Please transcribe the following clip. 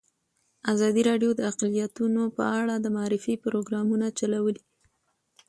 ازادي راډیو د اقلیتونه په اړه د معارفې پروګرامونه چلولي.